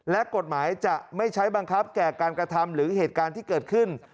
และกฎหมายจะไม่ใช้บังคับแก่การกระทำหรือเหตุการณ์ที่เกิดขึ้น